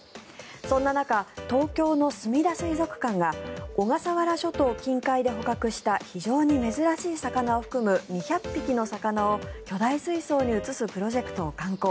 そんな中、東京のすみだ水族館が小笠原諸島近海で捕獲した非常に珍しい魚を含む２００匹の魚を巨大水槽に移すプロジェクトを敢行。